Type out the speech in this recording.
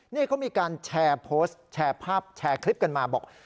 นี่เขามีการแชร์โพสต์แชร์ภาพแชร์คลิปกันมาบอก